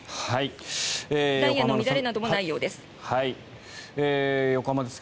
ダイヤの乱れなどもないようです。